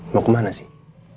mau kemana sih